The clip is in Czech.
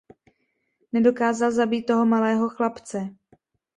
Nedokázal zabít toho malého chlapce.